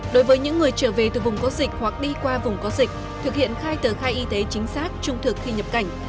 đối với những người trở về từ vùng có dịch hoặc đi qua vùng có dịch thực hiện khai tờ khai y tế chính xác trung thực khi nhập cảnh